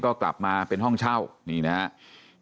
ก็กลับมาเป็นห้องเช่านี่นะครับ